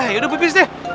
ya udah pipis deh